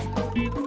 menjauh dari keadaan